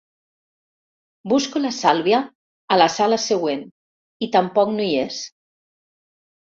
Busco la Sàlvia a la sala següent i tampoc no hi és.